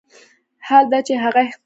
حال دا چې هغه اختیار نه درلود.